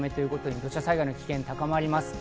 土砂災害の危険が高まります。